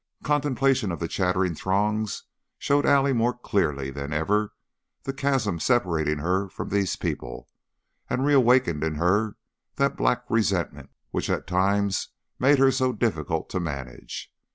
Contemplation of the chattering throngs showed Allie more clearly than ever the chasm separating her from these people, and reawakened in her that black resentment which at times made her so difficult to manage.